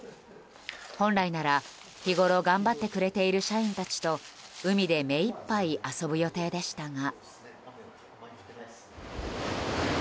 本来なら、日ごろ頑張ってくれている社員たちと海で目いっぱい遊ぶ予定でしたが。